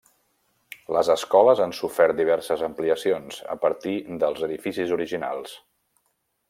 Les escoles han sofert diverses ampliacions, a partir dels edificis originals.